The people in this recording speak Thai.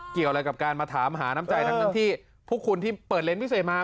เกี่ยวอะไรกับการมาถามหาน้ำใจทั้งที่พวกคุณที่เปิดเลนส์พิเศษมา